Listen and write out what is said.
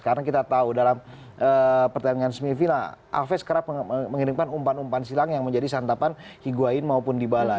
karena kita tahu dalam pertandingan semifinal alves kerap mengirimkan umpan umpan silang yang menjadi santapan higuain maupun dybala